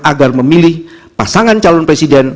agar memilih pasangan calon presiden